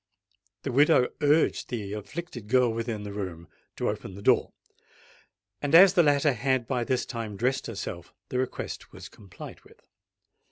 The widow urged the afflicted girl within the room to open the door; and as the latter had by this time dressed herself, the request was complied with.